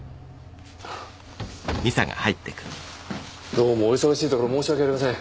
どうもお忙しいところ申し訳ありません